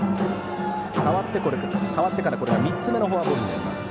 代わってから、これが３つ目のフォアボールになります。